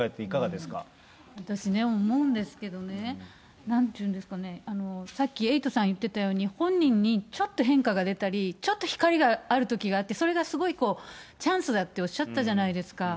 私ね、思うんですけどね、なんて言うんですかね、さっき、エイトさん言ってたように、本人にちょっと変化が出たり、ちょっと光があるときがあって、それがすごいチャンスだっておっしゃったじゃないですか。